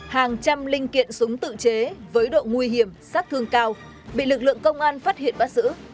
hàng trăm linh linh kiện súng tự chế với độ nguy hiểm sát thương cao bị lực lượng công an phát hiện bắt giữ